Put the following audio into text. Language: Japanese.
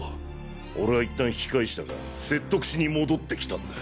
俺は一旦引き返したが説得しに戻って来たんだ。